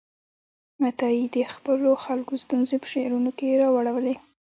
عطايي د خپلو خلکو ستونزې په شعرونو کې راواړولې.